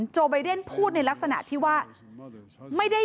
โบไบเดนพูดในลักษณะที่ว่า